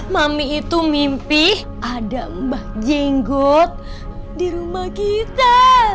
mami itu mimpi ada mbah jenggot di rumah kita